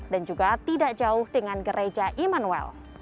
juga tidak jauh dengan gereja immanuel